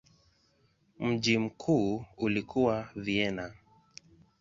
Mji mkuu ulikuwa Vienna.